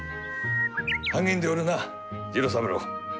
励んでおるな次郎三郎。